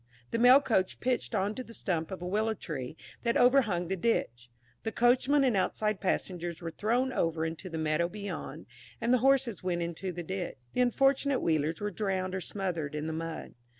The Mail Coach pitched on to the stump of a willow tree that over hung the ditch; the coachman and outside passengers were thrown over into the meadow beyond, and the horses went into the ditch; the unfortunate wheelers were drowned or smothered in the mud.